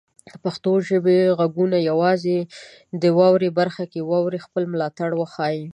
د پښتو ژبې غږونه یوازې د "واورئ" برخه کې واورئ، خپل ملاتړ وښایئ.